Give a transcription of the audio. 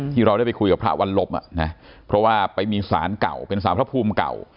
ที่เราได้ไปคุยกับพระวันลมเพราะว่าไปมีสารเก่าเป็นสารพระภูมิเก่า